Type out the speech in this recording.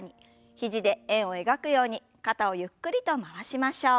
肘で円を描くように肩をゆっくりと回しましょう。